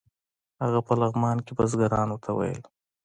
هغه په لغمان کې بزګرانو ته ویل.